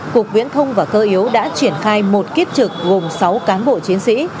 cục viễn thông và cơ yếu đã triển khai một kiếp trực gồm sáu cán bộ chiến sĩ